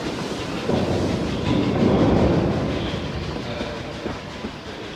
نجلۍ ورو ورو بې حرکته کيږي او ساه يې سړېږي,